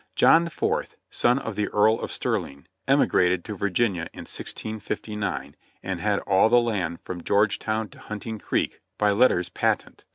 John IV, son of the Earl of Sterling, emigrated to Virginia in 1659 and had all the land from Georgetown to Hunting Creek, by letters patent.